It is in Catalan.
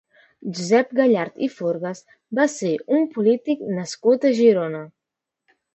Josep Gallart i Forgas va ser un polític nascut a Girona.